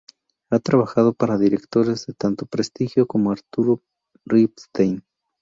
Ha trabajado para directores de tanto prestigio como Arturo Ripstein.